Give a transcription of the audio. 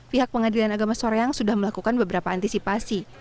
pihak pengadilan agama soreang sudah melakukan beberapa antisipasi